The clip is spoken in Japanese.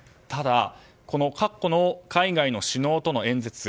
ただ、この過去の海外の首脳との演説